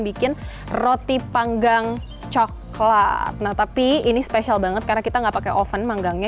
bikin roti panggang coklat nah tapi ini spesial banget karena kita enggak pakai oven manggangnya